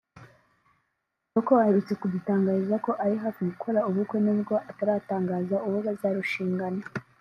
Kitoko uherutse kudutangariza ko ari hafi gukora ubukwe n’ubwo ataratangaza uwo bazarushingana